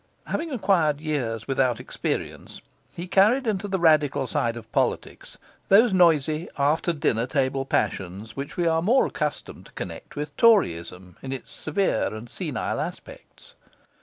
Having acquired years without experience, he carried into the Radical side of politics those noisy, after dinner table passions, which we are more accustomed to connect with Toryism in its severe and senile aspects.